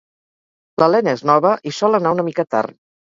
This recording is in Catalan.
L'Elena és nova i sol anar una mica tard